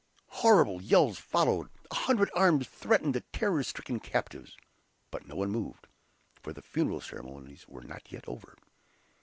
Horrible yells followed; a hundred arms threatened the terror stricken captives. But no one moved, for the funeral ceremonies were not yet over.